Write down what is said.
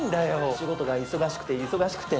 仕事が忙しくて忙しくて。